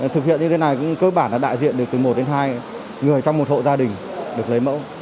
thực hiện như thế này cũng cơ bản là đại diện được từ một đến hai người trong một hộ gia đình được lấy mẫu